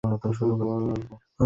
আমাদেরকে নিজেদের রেকর্ড ভাঙতে হবে।